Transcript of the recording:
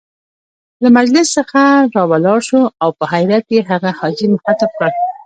له مجلس څخه را ولاړ شو او په حيرت يې هغه حاجي مخاطب کړ.